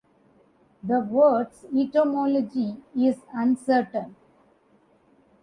The word's etymology is uncertain.